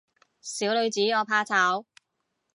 小女子我怕醜